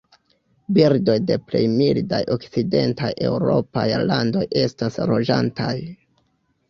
Birdoj de plej mildaj okcidentaj eŭropaj landoj estas loĝantaj.